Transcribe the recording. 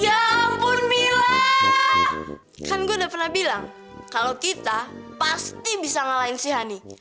ya ampun mila kan gue udah pernah bilang kalo kita pasti bisa ngalahin si honey